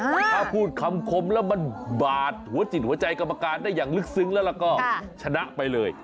ถ้าพูดคำคมแล้วมันบาดหัวจิตหัวใจกรรมการได้อย่างลึกซึ้งแล้วก็ชนะไปเลย